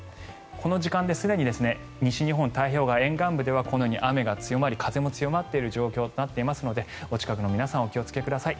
この時間ですでに西日本の太平洋側沿岸部ではこのように雨が強まり風も強まっている状況となっていますのでお近くの皆さんお気をつけください。